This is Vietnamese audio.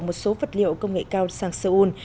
một số vật liệu công nghệ cao sang seoul